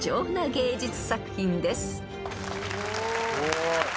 すごい。